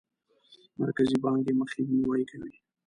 مرکزي بانک یې مخنیوی کوي.